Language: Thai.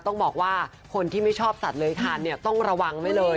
ต้องบอกว่าคนที่ไม่ชอบสัตว์เลยทานเนี่ยต้องระวังไว้เลย